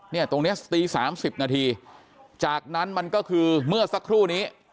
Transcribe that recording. เนี้ยตรงเนี้ยตีสามสิบนาทีจากนั้นมันก็คือเมื่อสักครู่นี้